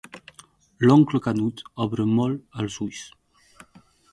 L'oncle Canut obre molt els ulls.